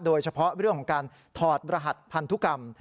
โดยเฉพาะเรื่องของการถอดรหัสพันธุกรรม